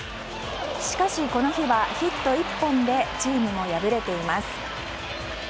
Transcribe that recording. しかし、この日はヒット１本でチームも敗れています。